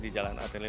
di jalan atelirik